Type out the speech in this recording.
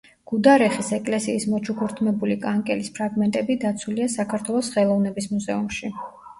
გუდარეხის ეკლესიის მოჩუქურთმებული კანკელის ფრაგმენტები დაცულია საქართველოს ხელოვნების მუზეუმში.